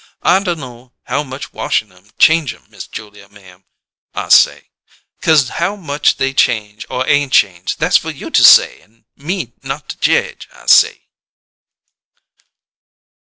I dunno how much washin' 'em change 'em, Miss Julia, ma'am,' I say, ''cause how much they change or ain't change, that's fer you to say and me not to jedge,' I say."